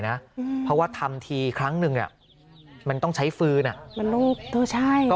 นะเพราะว่าทำทีครั้งนึงอ่ะมันต้องใช้ฟื้นลูกเธอใช่ก็